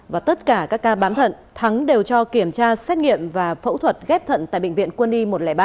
và tất cả các ca bán thận thắng đều cho kiểm tra xét nghiệm và phẫu thuật ghép thận tại bệnh viện quân y một trăm linh ba